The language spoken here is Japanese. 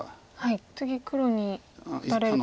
次黒に打たれると。